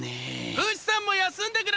フシさんも休んでください！